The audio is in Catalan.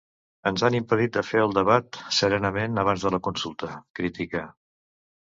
Ens han impedit de fer el debat serenament abans de la consulta, critica.